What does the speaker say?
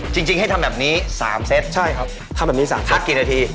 จริงให้ทำแบบนี้๓เซตใช่ครับทักกี่นาที